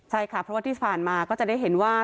ใช่ค่ะเพราะว่าที่ผ่านมาก็จะได้เห็นว่า